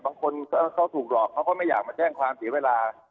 บางคนเขาถูกหลอกเขาก็ไม่อยากมาแจ้งความเสียเวลา